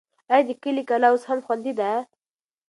آیا د کلي کلا اوس هم خوندي ده؟